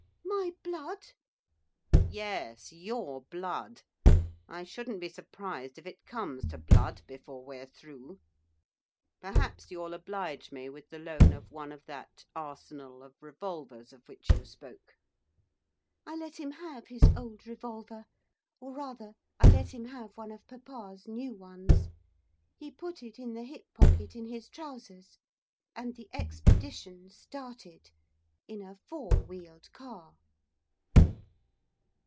'My blood?' 'Yes, your blood. I shouldn't be surprised if it comes to blood before we're through. Perhaps you'll oblige me with the loan of one of that arsenal of revolvers of which you spoke.' I let him have his old revolver, or, rather, I let him have one of papa's new ones. He put it in the hip pocket in his trousers. And the expedition started, in a four wheeled cab.